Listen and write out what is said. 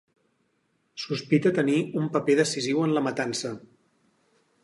Sospita tenir un paper decisiu en la matança.